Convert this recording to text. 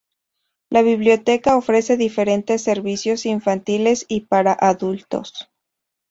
La biblioteca ofrece diferentes servicios infantiles y para adultos.